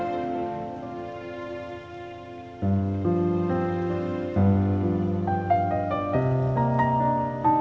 yang lebih menit